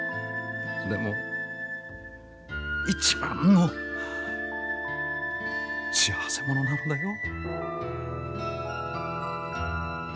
でも一番の幸せ者なのだよ。